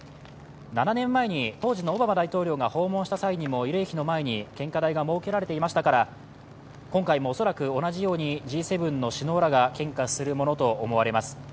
７年前に当時のオバマ大統領が訪問した際にも慰霊碑の前に献花台が設けられていましたから、今回も恐らく同じようにＧ７の首脳らが献花するものと思われます。